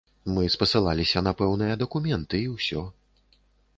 Мы спасылаліся на пэўныя дакументы і ўсё.